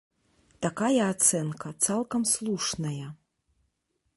Такая ацэнка цалкам слушная.